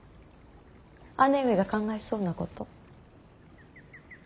姉上が考えそうなこと。